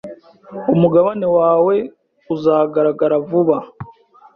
umugabane wawe uzagaragara vuba